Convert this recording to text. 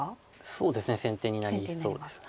そうですね先手になりそうです。